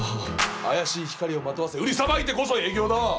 怪しい光をまとわせ売りさばいてこそ営業だ！